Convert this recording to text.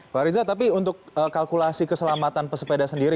pak riza tapi untuk kalkulasi keselamatan pesepeda sendiri